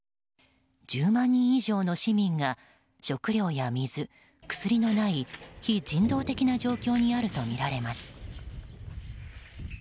１０万人以上の市民が、食料や水薬のない非人道的な状況にあるとみられます。